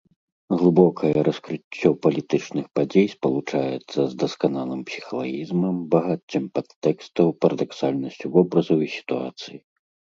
Глыбокае раскрыццё палітычных падзей спалучаецца з дасканалым псіхалагізмам, багаццем падтэкстаў, парадаксальнасцю вобразаў і сітуацый.